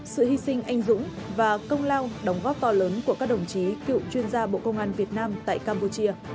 sự hy sinh anh dũng và công lao đóng góp to lớn của các đồng chí cựu chuyên gia bộ công an việt nam tại campuchia